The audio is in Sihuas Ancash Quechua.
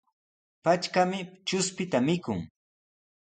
Patrkami chuspita mikun.